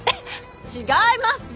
違いますよ！